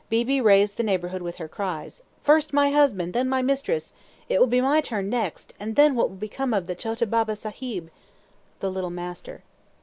Beebe raised the neighborhood with her cries: "First my husband, then my mistress! It will be my turn next; and then what will become of the chota baba sahib?" [Footnote: The little master.